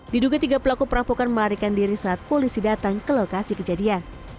diduga tiga pelaku perampokan melarikan diri saat polisi datang ke lokasi kejadian